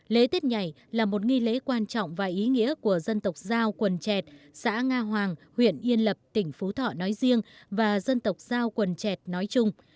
lễ tết nhảy là một nghi lễ quan trọng và ý nghĩa của dân tộc giao quần chẹt xã nga hoàng huyện yên lập tỉnh phú thọ nói riêng và dân tộc giao quần chẹt nói chung